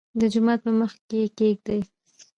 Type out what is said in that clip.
دجومات په مخکې يې کېږدۍ.